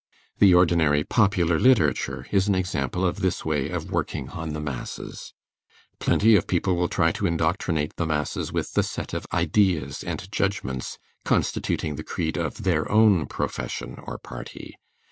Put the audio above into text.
The ordinary popular literature is an example of this way of working on the masses. Plenty of people will try to indoctrinate the masses with the set of ideas and judgments constituting the creed of their own profession or party.